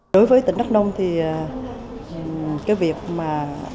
đối với tỉnh đắk nông thì cái việc mà phát triển